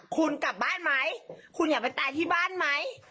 คุณกลับบ้านไหมคุณอยากไปตายที่บ้านไหม